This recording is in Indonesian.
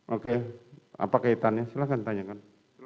oke apa kaitannya silahkan tanyakan